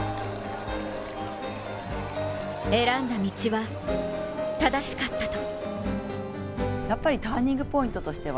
選んだ道は、正しかったと。